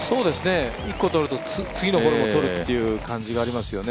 １個取ると、次のホールも取るという感じがありますよね。